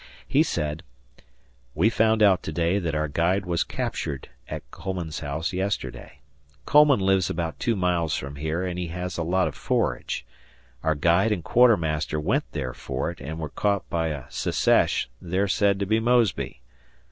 He said: We found out to day that our guide was captured at Coleman's house yesterday. Coleman lives about two miles from here, and he has a lot of forage; our guide and quarter master went there for it and were caught by a "Secesh" there said to be Mosby.